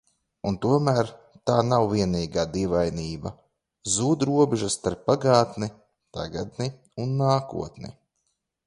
Un tomēr – tā nav vienīgā dīvainība. Zūd robežas starp pagātni, tagadni un nākotni.